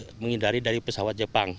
untuk menghindari dari pesawat jepang